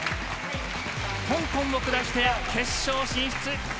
香港を下して決勝進出。